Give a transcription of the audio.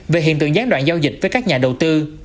về hiện tượng gián đoạn giao dịch với các nhà đầu tư